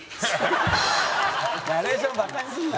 ナレーションをバカにするな。